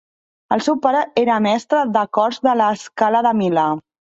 El seu pare era mestre de cors de la Scala de Milà.